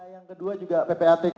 yang kedua juga ppat